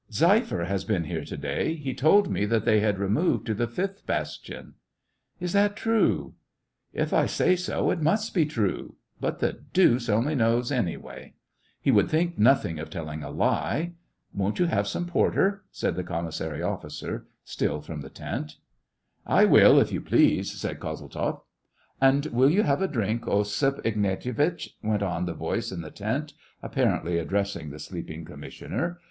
" Zeifer has been here to day. He told me that they had removed to the fifth bastion." " Is that true ?"" If I say so, it must be true ; but the deuce only knows anyway ! He would think nothing of telling a lie. Won't you have some porter }" said the commissary officer, still from the tent. 1 62 SEVASTOPOL IN AUGUST. I will if you please," said Kozeltzoff. "And will you have a drink, Osip Ignatie vitch ?" went on the voice in the tent, apparently addressing the sleeping commiss'ioner.